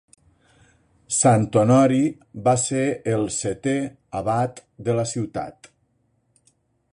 Sant Honori va ser el setè abat de la ciutat.